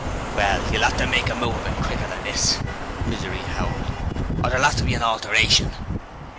'Well, you'll 'ave to make 'em move a bit quicker than this!' Misery howled, 'or there'll 'ave to be a ALTERATION!'